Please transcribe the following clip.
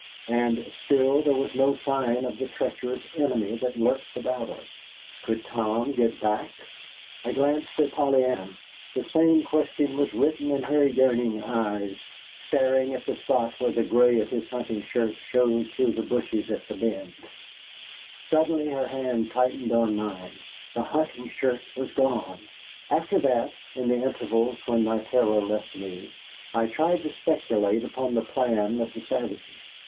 And still there was no sign of the treacherous enemy that lurked about us. Could Tom get back? I glanced at Polly Ann. The same question was written in her yearning eyes, staring at the spot where the gray of his hunting shirt showed through the bushes at the bend. Suddenly her hand tightened on mine. The hunting shirt was gone! After that, in the intervals when my terror left me, I tried to speculate upon the plan of the savages.